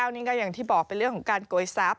นี่ก็อย่างที่บอกเป็นเรื่องของการโกยทรัพย